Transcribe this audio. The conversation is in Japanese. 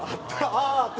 「ああ」って。